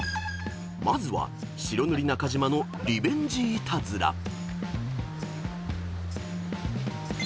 ［まずは白塗り中島のリベンジイタズラ］